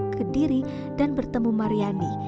ke diri dan bertemu maryani